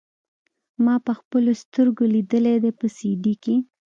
ما پخپلو سترګو ليدلي دي په سي ډي کښې.